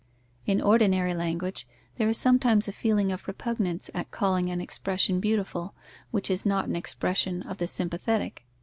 In ordinary language, there is sometimes a feeling of repugnance at calling an expression beautiful, which is not an expression of the sympathetic.